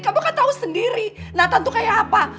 kamu kan tahu sendiri nathan tuh kayak apa